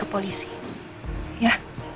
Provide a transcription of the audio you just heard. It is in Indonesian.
kita pergi ke polisi ya